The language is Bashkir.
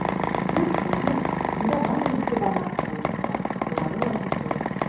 Юҡ шул, юҡ: унда бары ике бармаҡ һерәйеп тора, улары ла тупыс...